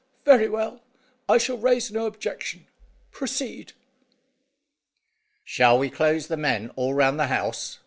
Very well, I shall raise no objection. Proceed." "Shall we close the men all round the house?"